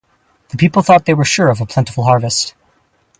The people thought they were sure of a plentiful harvest.